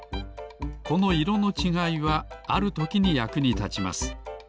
この色のちがいはあるときにやくにたちます。